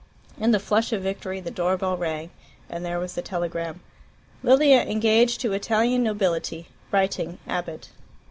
In the flush of victory the door bell rang, and there was the telegram: "Lilia engaged to Italian nobility. Writing. Abbott."